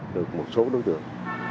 được một số đối tượng